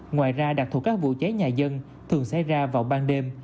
ngoài ra đặc thù các vụ cháy nhà dân thường xảy ra vào ban đêm